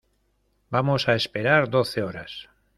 vamos a esperar doce horas.